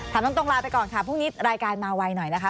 ถามตรงลาไปก่อนค่ะพรุ่งนี้รายการมาไวหน่อยนะคะ